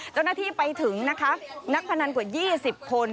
เจ้าหน้าที่ไปถึงนะคะนักพนันกว่า๒๐คน